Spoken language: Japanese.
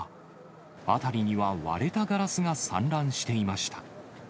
辺りには割れたガラスが散乱していました。